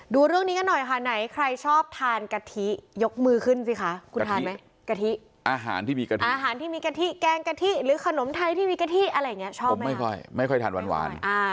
ดูเรื่องนี้กันหน่อยค่ะไหนใครชอบทานกะทิยกมือขึ้นสิคะคุณทานไหมกะทิอาหารที่มีกะทิอาหารที่มีกะทิแกงกะทิหรือขนมไทยที่มีกะทิอะไรอย่างนี้ชอบไม่ค่อยไม่ค่อยทานหวาน